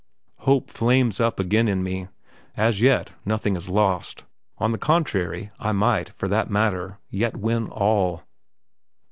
Hope flames up again in me; as yet, nothing is lost on the contrary, I might, for that matter, yet win all.